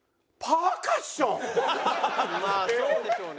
パーカッション。